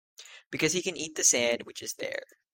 Because he can eat the sand which is there.